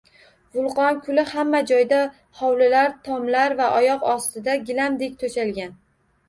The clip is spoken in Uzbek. Vulqon kuli hamma joyda — hovlilar, tomlar va oyoq ostida gilamdek to‘shalgan